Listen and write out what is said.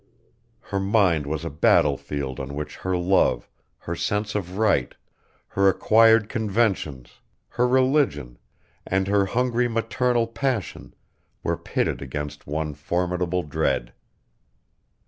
Her mind was a battlefield on which her love, her sense of right, her acquired conventions, her religion, and her hungry maternal passion were pitted against one formidable dread.